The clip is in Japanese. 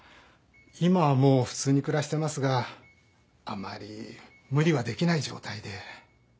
今はもう普通に暮らしてますがあまり無理はできない状態で。